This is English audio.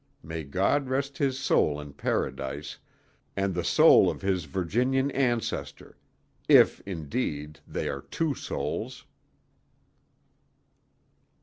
May God rest his soul in Paradise, and the soul of his Virginian ancestor, if, indeed, they are two souls.